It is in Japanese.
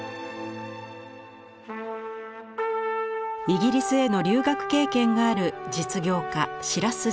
イギリスへの留学経験がある実業家白洲